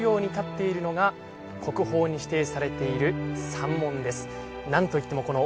そこに向かい合うように建っているのが国宝に指定されている三門です。